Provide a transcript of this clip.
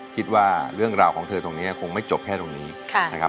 คิดว่าเรื่องราวของเธอตรงนี้คงไม่จบแค่ตรงนี้นะครับ